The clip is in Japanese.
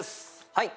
はい！